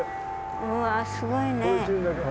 うわすごいね。